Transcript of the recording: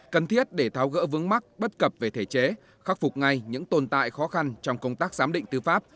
cần thiết để tháo gỡ vướng mắc bất cập về thể chế khắc phục ngay những tồn tại khó khăn trong công tác giám định tư pháp